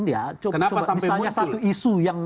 ini ya coba misalnya satu isu yang